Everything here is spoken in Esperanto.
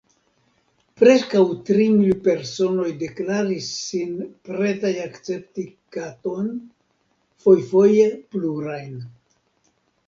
Preskaŭ tri mil personoj deklaris sin pretaj akcepti katon – fojfoje plurajn.